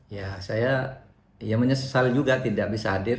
ya saya menyesal juga tidak bisa hadir